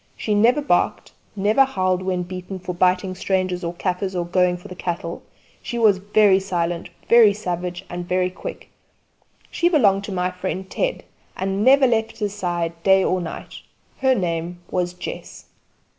She never barked; never howled when beaten for biting strangers or kaffirs or going for the cattle; she was very silent, very savage, and very quick. She belonged to my friend Ted, and never left his side day or night. Her name was Jess.